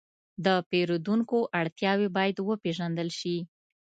د پیرودونکو اړتیاوې باید وپېژندل شي.